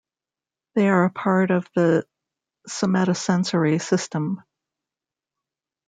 They are a part of the somatosensory system.